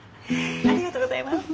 ありがとうございます。